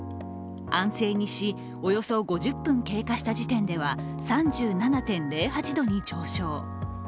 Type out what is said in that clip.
安静にし、およそ５０分経過した時点では３７．０８度に上昇。